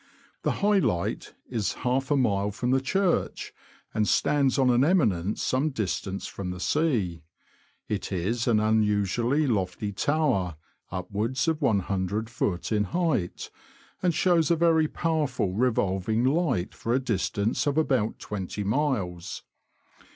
The High Light is half a mile from the church, and stands on an eminence some distance from the sea. It is an unusually lofty tower, upwards of looft. in height, and shows a very powerful revolving light for a distance of about twenty miles.